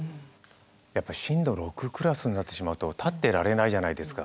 やっぱ震度６クラスになってしまうと立ってられないじゃないですか。